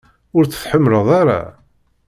Ur tt-tḥemmleḍ ara?